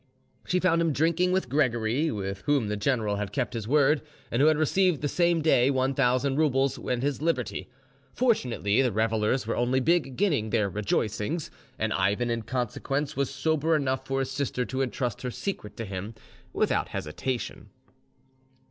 She found him drinking with Gregory, with whom the general had kept his word, and who had received the same day one thousand roubles and his liberty. Fortunately, the revellers were only beginning their rejoicings, and Ivan in consequence was sober enough for his sister to entrust her secret to him without hesitation.